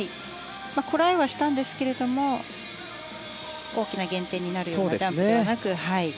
こらえはしたんですけれども大きな減点になるようなジャンプはなく。